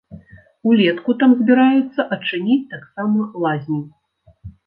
Улетку там збіраюцца адчыніць таксама лазню.